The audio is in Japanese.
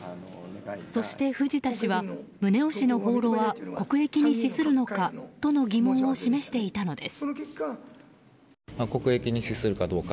そして、藤田氏は宗男氏の訪ロは国益に資するのかという疑問を示していたのです。